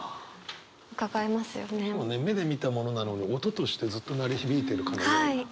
目で見たものなのに音としてずっと鳴り響いてるかのような。